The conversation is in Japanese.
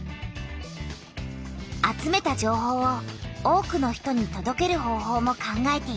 集めた情報を多くの人にとどける方ほうも考えている。